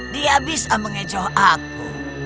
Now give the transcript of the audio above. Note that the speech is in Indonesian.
dia bisa mengecoh aku